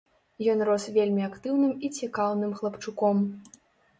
Ён рос вельмі актыўным і цікаўным хлапчуком.